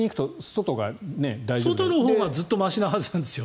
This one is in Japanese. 外のほうがずっとましなはずなんですよ。